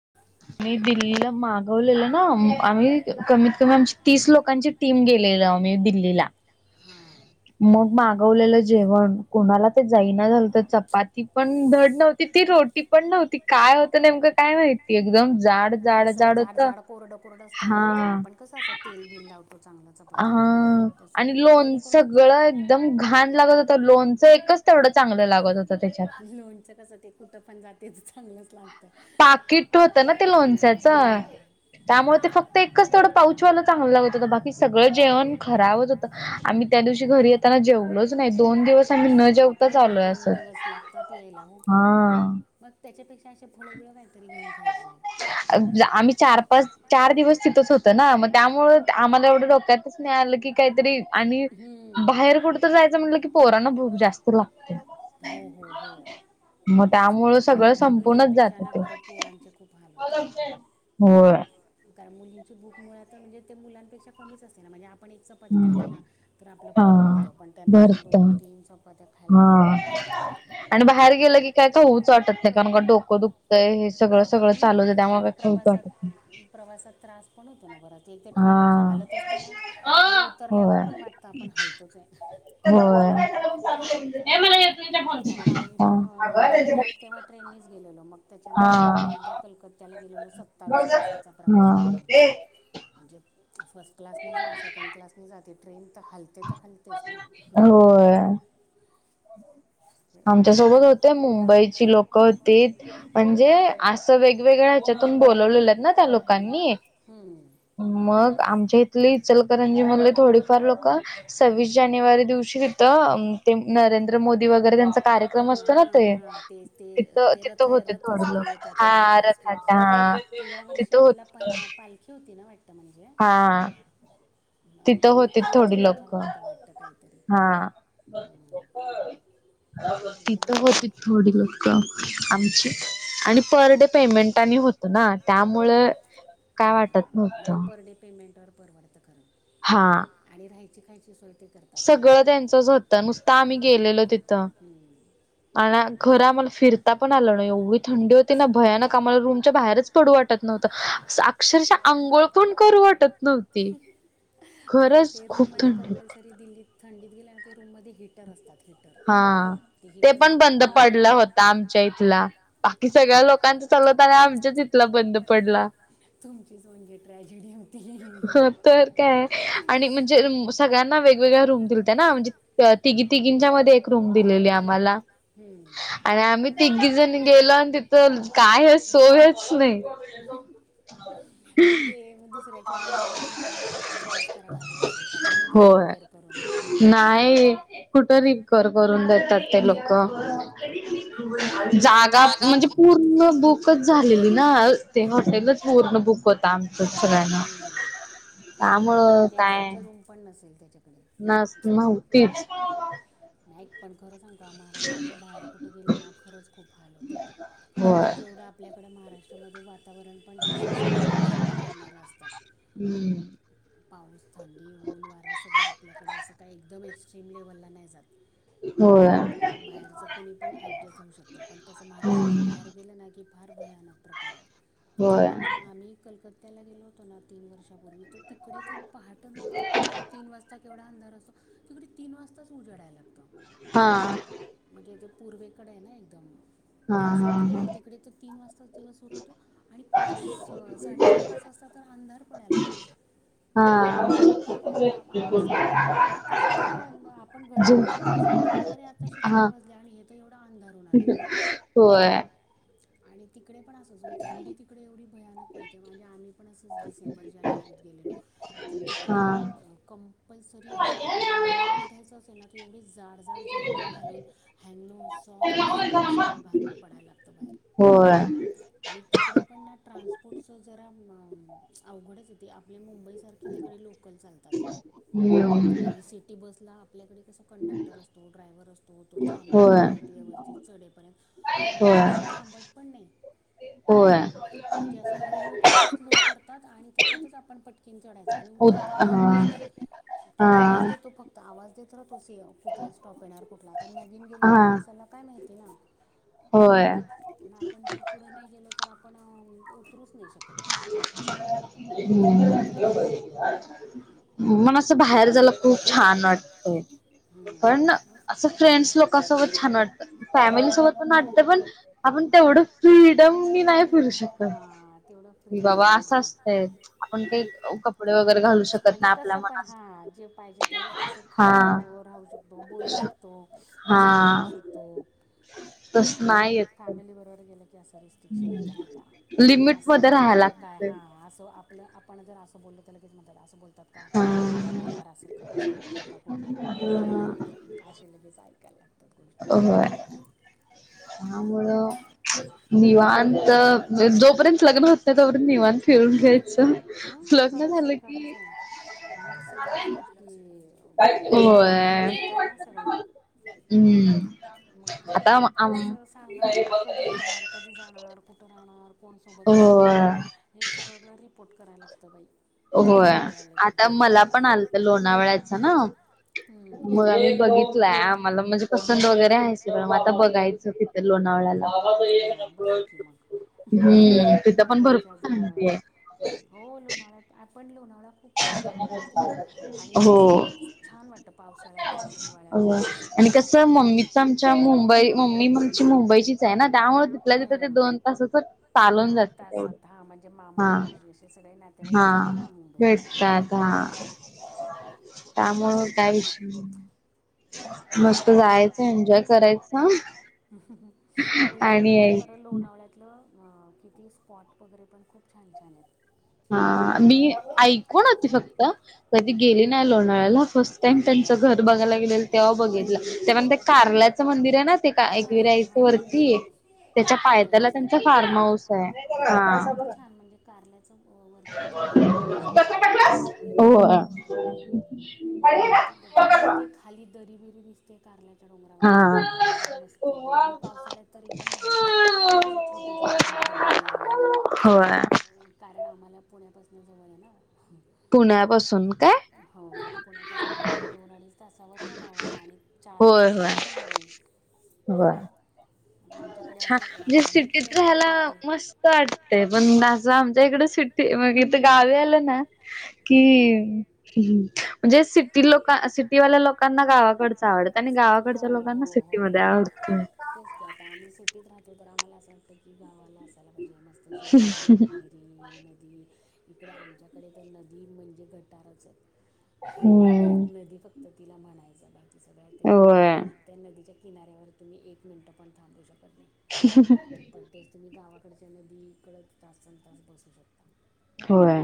[inaudible] मी दिल्लीला मागवलेल ना आम्ही कमीत कमी आमची तीस लोकांची टीम गेलेल. मी दिल्लीला मग मागवलेलं जेवण कोणाला ते जाईना झालतं चपाती पण धड नव्हती ती रोटी पण नव्हती. काय होत नेमकं काय माहिती एकदम जाड - असं जाड जाड कोरडं कोरड असतं आणि एकदम आपण कसं असं तेल बिल लावतो चांग- हा.. आणि लोणचं सगळं एकदम घाण लागत होतं लोणचं एकच तेवढं लोणचं च तेवढं चांगलं लागत होतं लोणचं कसं ते कुठं पण जा तेच चांगलंच लागतं होत ना ते लोणच्याचं त्यामुळं ते फक्त एकच तेवढं पाउच वाल चांगलं लागत होतं बाकी सगळं जेवण खराबच होतं आम्ही त्या दिवशी घरी येताना जेवलोच नाही दोन दिवस आम्ही न जेव ताच आलोय असं लागतात यायला हो की मग असे फळेबिळ काहीतरी घेऊन खायचे आम्ही चार पाच चार दिवस तिथंच होतो ना मग त्यामुळं आम्हाला एवढं डोक्यातच नाही आलं की काय तरी आणि बाहेर कुठतर जायचं म्हणलं कि पोरांना भूक जास्त लागते मग त्यामुळं सगळं संपूर्णच जातं ते त्याचे खूप हाल होतात होय कारण मुलींची भूक मुळ तर म्हणजे ते मुलांपेक्षा कमीच असते ना म्हणजे आप पण एक चपाती खाल्ली ना तर आपलं पोट भरतं पण त्यांना अशा दोन तीन चपात्या खायला लागतात आणि बाहेर गेलं - की काय खाऊच वाटत नाही कारण का डोकं दुखतंय हे सगळं सगळं चालू त्यामुळ काय खाऊचं वाटत नाही प्रवासात त्रास पण होतो ना बराच एक तर ट्रेन अशी हालत असते ना ते उतरल्यावर पण वाटतं आपण हलतोच आहे [unintelligible] कारण आम्ही पण अ दिल्लीला तेव्हा ट्रेननीच गेलेलो मग त्याच्यानंतर आम्ही एकदा कलकत्त्याला गेलेलो, सत्तावीस तासाचा प्रवास करून म्हणजे फर्स्ट क्लासनी जा, सेकंड क्लासनी जा, ती ट्रेन था हलते त हलतेच ना आमच्या सोबत होते मुंबईची लोकं होतीत म्हणजे असं वेगवेगळ्या ह्याच्यातून बोलवलेलंत ना त्या लोकांनी मग आमच्या हितले इचलकरंजी मधले थोडीफार लोकं सव्वीस जानेवारी दिवशी तिथं अम तेम नरेंद्र मोदी वगैरे त्यांचा कार्यक्रम असतो ना ते, तिथं तिथं होते थोडे लोक हा रथात हा ते या वर्षी आपलं पाय अ पालखी होती ना वाट हा. तिथं होतीत थोडी लोकं हा [unintelligible] [unintelligible] तिथं होतीत थोडी लोकं आमची आणि पर डे पेमें ट आणि होतो ना त्यामुळं काय वाटत नव्हतं. तर परवडत करा हा. ची खायची सोय सगळं त्यांचच होतं, नुसता आम्ही गेलेलो तिथं आन घर आम्हाला फिरता पण आलं नाही, एवढी थंडी होती ना भयानक आम्हाला च बाहेरच पडू वाटत नव्हतं, अक्षरशः अंघोळ पण करू वाटत नव्हती. खरंच खूप थंडी होती. थंडीत गेल्यानंतर रूम मध्ये हिटर असतात हिटर, हा ते पण बंद पडलं होता आमच्या इथला, बाकी सगळ्या लोकांच चालत [unintelligible] आमच्या तितला बंद पडला. ट्रॅजिडी होती. हो तर काय आणि म्हणजे सगळ्यांना वेगवेगळ्या रूम दिलत्या ना म्हणजे [unintelligible] तिघी तिघींच्या मध्ये एक रूम दिलेली आम्हाला आणि आम्ही तिघी जण गेलो आणि तिथं का आहे सोयच नई. [unintelligible] म दुसऱ्याच्या रूम मध्ये तुम्हाला ऍ ऍडजस्ट करायला लागल असेल का? त्यांनी दिलं री [unintelligible] नाही. कुठ रिकर करून देत्यात ते लोक जागा म्हणजे पूर्ण बुक कच झालेली ना, ते हॉटेलच पूर्ण बुक होता आम हम्म म्हणजे मग एक्स्ट्राची रूम पण नसेल त्या नास् न्हवतीच नाहीक पण खरं सांगू पा महाराष्ट्राच्या बाहेर कुठे गेलं ना, खरच खूप हाल होतात म्हणजे जेवढं आपल्याकडे महाराष् च्यामध्ये वातावरण पण तसं सगळ्यांना सूट करणारं असतं. पाऊस, थंडी, ऊन, वारा सगळं आपल्याकडे असं काय एकदम एक्स्ट्रीम लेव्हलला नाही जातं. होय. [unintelligible] बाहेरचं कुणी पण ऍडजस्ट होऊ शकतं, पण तसं महाराष्ट्राच्या बाहेर गेलं ना की फार भयानक प्रकार म्हणजे आम्ही कलकत्त त्याला गेलो होतो ना तीन वर्षापूर्वी तर तिकडे तर पहाट न आपल्याकडे तीन वाजतात केवढा अंधार असतो तिकडे तीन वाजताच उजडायला हा. पूर्वेकडे आय ना एकदम त्या साइडला, मग तिकडे तर तीन वाजताच दिवस सुरू होतो आणि पाच साडेचार पाच वास अस तर अंधार पडायला लागतो. हा जु अर आता चार वाजले आणि घेत एवढं होय. आणि त [inaudible] तिकडे पण असंच नाही थंडी तिकडे एवढी भयानक पडते म्हणजे आम्ही पण असंच डिसेंबर जानेवारीत गेलेलो. तर तिकडे कंपल्सरी अस बाहेर निघायचं एवढी जाड झाड जर्कीन घालून हॅनो सॉफ्ट सगळं सगळं घालून पडायला लागतो बाहेर आणि तिकडे पण ना ट्रान्सपोर्ट च जरा अवघडच येते आपल्या मुंबई सारखे तिकडे लोकल सांगतात. ह् आपल्याकडे कसं कंडक्टर असतो ड्रायव्हर असतो तो थांबतो नीट व्यवस्थित चढपर्यंत तर ते तसं थांबत पण नाही. म्हणजे असं हळूहळू फक्त स्लो करतात आणि त्याच्यातच आपण पटकन उतरताना पण तसच तो आवाज देतो फक्त आवाज देत, तोस कुठलाच स्टॉप येणार कुठला तर नवीन गेलेल्या माणसाला काय माहिती ना आपण जर पुढे नाही गेलो तर आपण हम् मन असं बाहेर जाला खूप छान वाटतय. पण असं फ्रेंड्स लोकांसोबत छान वाटत फॅमिली सोबत पण वाटते पण आपण तेवढं फ्रीडम मी नाही फिरू शकत. कि बाबा असं असतय आपण काही कपडे वगैरे घालू शकत ना आपल्या मनास पाहिजे खाऊ. राहू शकतो, बोलू शकतो, मस्ती करू शकतो. म्हणजे फॅमिली बरोबर गेलं. रिस्ट्रिक्शन येत नाही का की असं बोललं तर काय हा असं, आपलं आपण जर असं बोललो त्याला किती म्हणतात असं बोलतात का बाहेर आल्यावर असं असं वागतं का आप अ ना होय. त्यामुळं निवांत जोपर्यंत लग्न होत नाही तोपर्यंत निवाण फिरून घ्यायच लग्न झालं की, मग सगळ्याच गोष्टी होय. हम्म मग ते आता कस सांगा कधी येणार, कधी जाणार, कुठं राहणार. कोणसोबत असणार हे सगळं रिपोर्ट करायला लागतं बाई होय, आता मला पण आलंत लोणावळ्याच ना मुग मी बघितलंय आमला म्हणजे पसंत वगैरे आहेय मग आता बघायचं तिथ लोणावळ्याला बरेयची मग मुंबईच्या जवळ हो लोणा्वल्यात. आ्हाला खूप स सुध द्या माहिती का आणि असं छान वाटतं पावसाळ्यात पण हिवाळ्यात पण असं आणि कसं मम्मीच आमच्या मुंबई मम्मी आमची मुंबईचीच आहे ना, त्यामुळे तिथल्या तिथ ते दोन तास चालून जात तेवढ हा, हा भेटतात हा, तम काय विष नस् [inaudible] जायचं एन्जॉय करायच. उल उलट खरं लोणावळ्यातलं किती स्पॉट वगैरे पण खूप छान छान आहेत. हा. मी ऐकून होती फक्त कधी गेली नाही लोणावळ्याला फर्स्ट टाइम त्यां तुमचं घर बघायला गेलेल तेव्हा बघितलं त्यापन ते कारल्याचं मंदिर आहे ना ते एकविरायचं वरती- - कारल्याच एकमेरा म्हण अरे किती छान म्हणजे कारलाच हो. आणि ते खाली दरी बिरी दिसते कारल्या - - डोंगरावरना खूप मस्त एकदम आणि पावसाळ्यात तर एकदम भारीक दिसत असे छोटे छोटे धब दबे आणि कारण आम्हाला पुण्यापासून जवळ हाय ना. पुण्यापासून काय? मला दोन अडीच तासावर लोणावळा आणि चार तासावर मुंबई अछा म्हणजे सिटीत राहायला मस्त वाटतयं. पण असं आमच्या इकड सि - - मग इथ गावी आलं ना कि म्हणजे सिटी लोक सिटीवाल्या लोकांना गावाकडचं आवडतं आणि गावाकडच्या लोकांना सिटीमध्ये आवडत. हं. आम्ही सिटीत राहो तर म्हाला अस वाटतं की गावाला असायला पाहिजे. म्हण मस्त शेती, विहिरी, नदी इकडे आमच्याकडे तर नदी म्हणजे गटारच आहेत. नदी फक्त तिला म्हणायचं बा ते सगळ्या त्याच्या ड्रेनेज त्या नदीच्या किनाऱ्यावर तुम्ही एक मिनटं पण थांबू शकत - - पण तेच तुम्ही गावाकडच्या नदीकड तासन तास बसु शकता. होय.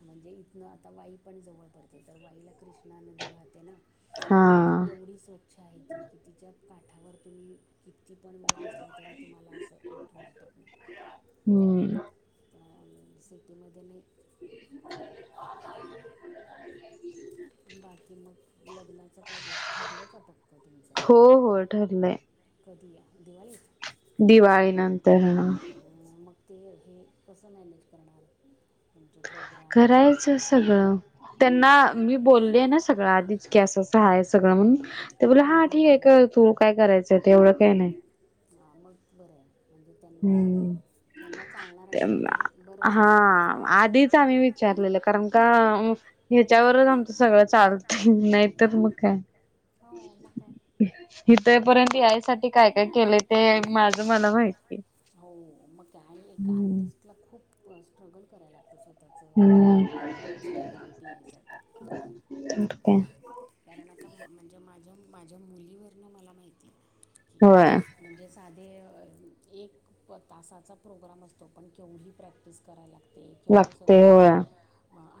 म्हणजे इथनं आता वाई पण जवळ पडते तर वाईला कृष् णा नदी वाहते ना. पण ती एवढी स्वच्छ आहे ती की, तिच्या काठावर तुम्ही - - इतकी पण वेळ बसला तरी तुम्हाला असं उठ वाटत नाही. सिटीमध्ये नाही. [inaudible] [inaudible] बाकी मग लग्नाचं काय ठरले का पक्क तुमचं. कधीया दिवाळीत. दिवाळी नंतर. मग ते हे कसं मॅनेज करणार? म्हणचे प्रोग्रम. मी बोलले ना सगळं आधीच की अस सगळं म्हणून ते बोला हा ठीक आहे कर तू. तू काय करायचंय ते एवढं काही नाही. मग बरं म्हणजे त्यांना - - हा आधीच आम्ही विचारलेलं कारण का? त्याच्यावरच आमचं सगळं चालत नाहीतर मग काय. इथ पर्यंत यायसाठी काय काय केलं ते माझ मला माहिती. हो. मग आणि एक आर्टिस्टला खूप स्ट्रगल करायला लागतो स्तः. त्याचं एक स्टॅबिलिटी - - कारण आता म्हणजे माझ्या - - माझ्या मुलीवरनं मला माहिती की म्हणजे साध - - ते एक प तासाचा प्रोग्राम असतो पण केवढी प्रॅक्टिस करायला लागते. ते केवढं सगळं ते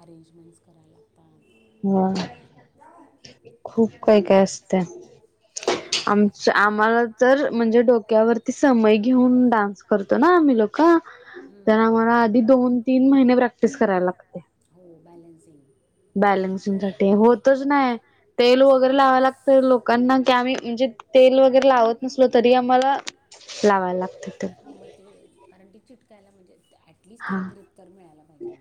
अरेंजमेंट्स ह खूप काय काय असत. हो. आमच आम्हाला तर म्हणजे डोक्यावरती समय घेऊन डान्स करतो ना आम्ही लोक - - तर आम्हाला आधी दोन तीन महिने प्रॅक्टिस - - होतच नाही. तेल वगैरे लावा लागत. लोक - - कना की आम्ही म्हणजे तेल वगैरे लावत नसलो, तरी आम्हाला लावय लागतयं तेल. कारण ती चिटकायला म्हणजे ॲटलिस्ट तिला ग्रिपतर मिळायला पाहिजे ना.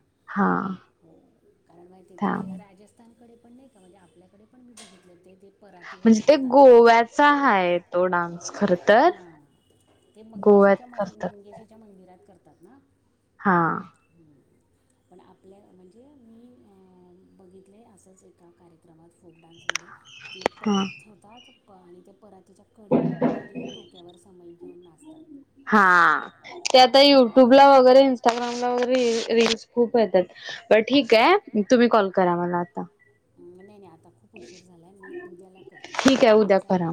हो कारण मा तिथे राजस्थान डे पण नाही का म्हणजे आपल्याकडे पण म बघितले ते परातीवर गोव्याचा हाय तो डान्स खर तर ते मंगेशीच्या मंगेशीच्या मंदिरात करतात ना हा पण आपल्या म्हणजे मी बघितले असंच एका कार्यक्रमात फोक डान्समध्ये की परत आणि ते परातीच्या कडे व पाय देऊन डोक्यावर समइ घेऊन हा ते आता युट्यूबला वगैरे इं्स्टाग्रामला वगैरे रीलस खूप येतात बर ठीक आहे तुम्ही कॉल करा मला आता आता खूप उशीर झाला आहे मी उद्याला करतेो संध्याकाळी चालेल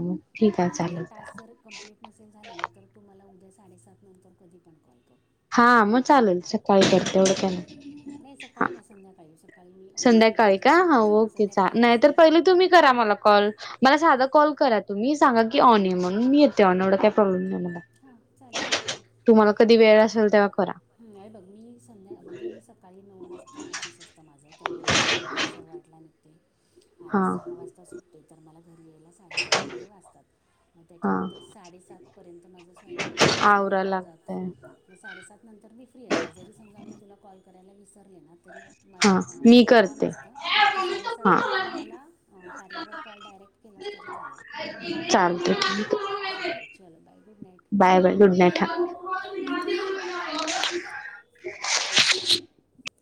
किंवा तुझा टास्क जर कम्प्लीट नसेल झाला ना तर तुमला उद्या साडेसात नंतर कधी पण कॉल हा मग चालेल सकाळी करते एवढं का हा संध्याकाळी का हो ओके नाही तर पहिले तुम्ही करा मला कॉल मला साधा कॉल करा तुम्ही सांगा की ऑनम येत तेव्हा एवढा काय प्रॉब्लेम नाही मला तुम्हाला कधी वेळ असेल तेव्हा करा आहे बघ मी संध्या म्हणजे मी सकाळी नऊ वाजता ऑफिस असतं माझं तर मी घरातन आठ सव्वा आठला निघते आणि सहा वाजता सुटते तर मला घरी यायला साडेसहा वगैरे वाजतात मग त्याच्यानंतर साडेसात पर्यंत माझा स्वयंपाक वगैरे सगळ होऊन जातो मग साडेसात [unintelligible] फ्री असते जरी समजा मी तुला कॉल करायला विसरले ना तरी माझं नेट ऑन असतं तू साडेसात नंतर मला कार्यावर कॉल डायरेक्ट केलास तरी चालेल बाय बाय गुड ना हा [inaudible]